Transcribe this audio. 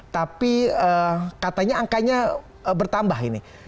tapi katanya angkanya bertambah ini